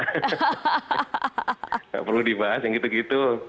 tidak perlu dibahas yang gitu gitu